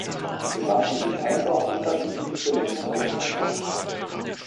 So lassen sich einfach unterschiedlichste Längen produzieren.